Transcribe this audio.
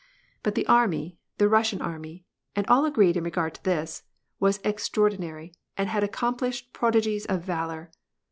But the army, the Russian army, — and all agreed in regard to this — was extraordinary, and had accomplished prodigies of valor.